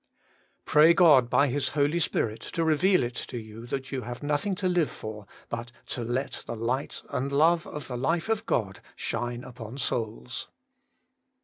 3. Pray God by His Holy Spirit to reveal it to you that you have nothing to live for but to let the light and love of the life of God shine upon souls.